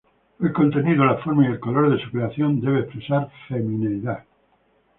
El contenido, la forma y el color de su creación debe expresar femineidad.